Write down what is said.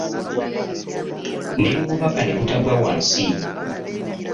Ne ngubakane kutagwa wansi.